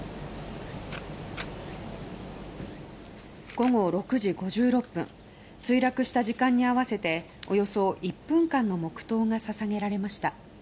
午後６時５６分墜落した時間に合わせておよそ１分間の黙祷が捧げられました。